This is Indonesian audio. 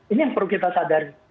ini yang perlu kita sadari